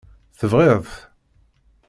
Tebɣiḍ-t?